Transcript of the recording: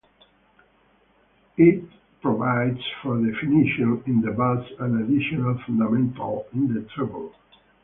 It provides for definition in the bass and additional fundamental in the treble.